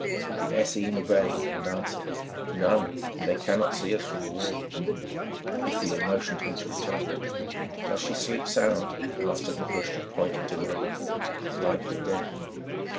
The Essene obeyed, and answered, "None; and they cannot see us from the wall." Ithiel motioned to him to return. "Does she sleep sound?" he asked of Nehushta, pointing to Miriam. "Like the dead."